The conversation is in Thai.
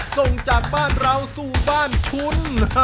ส่งจากบ้านเราสู่บ้านคุณ